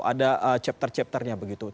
ada chapter chapternya begitu